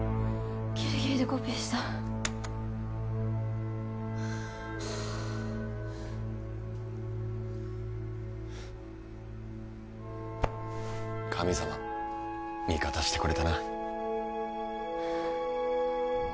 ギリギリでコピーした神様味方してくれたな